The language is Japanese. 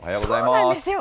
そうなんですよ。